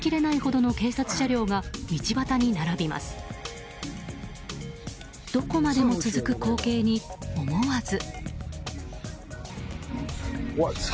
どこまでも続く光景に、思わず。